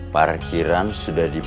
nah ya udah